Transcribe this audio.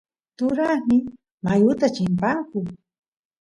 turasniy mayuta chimpanku